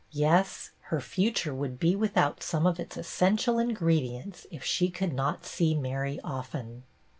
Yes, her future would be without some of its essential ingredients, if she could not see Mary often.